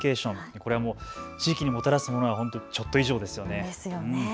これはもう地域にもたらすものはちょっと以上ですよね。